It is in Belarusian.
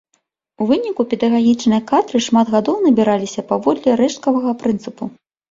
У выніку педагагічныя кадры шмат гадоў набіраліся паводле рэшткавага прынцыпу.